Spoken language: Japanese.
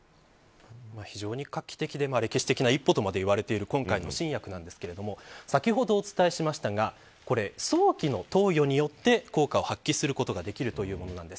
非常に画期的で歴史的な一歩とも言われている今回の新薬ですが先ほどお伝えしましたが、早期の投与によって効果を発揮することができるというものなんです。